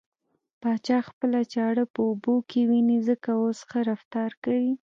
پاچا خپله چاړه په اوبو کې وينې ځکه اوس ښه رفتار کوي .